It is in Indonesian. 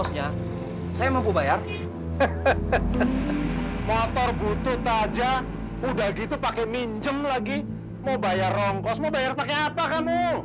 hehehe motor butut aja udah gitu pake minjem lagi mau bayar rongkos mau bayar pake apa kamu